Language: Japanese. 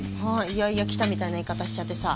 いやいや来たみたいな言い方しちゃってさ。